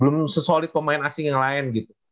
belum sesolid pemain asing yang lain gitu